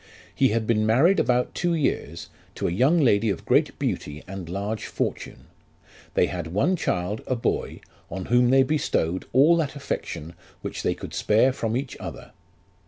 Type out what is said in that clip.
He had been married about two years to a young lady of great beauty and large fortune ; they had one child, a boy, on whom they bestowed all that affection which they could spare from each other.